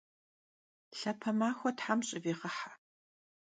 Lhape maxue them ş'ıviğehe!